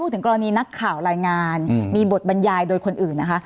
ถึงกรณีนักข่าวรายงานมีบทบรรยายโดยคนอื่นนะคะ